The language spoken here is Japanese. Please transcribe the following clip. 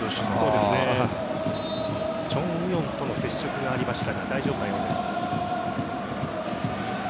チョン・ウヨンとの接触がありましたが大丈夫なようです。